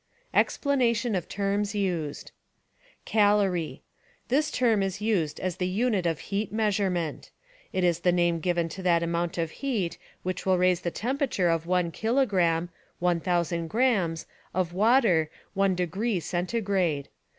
Explanation of terms used Calorie — This term is used as the unit of heat measurement. It is the name given to that amount of heat which will raise the temperature of one kilogram (1000 grants) of water one degree centigrade.